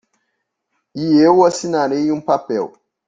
E eu assinarei um papel.